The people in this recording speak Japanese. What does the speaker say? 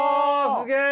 すげえ！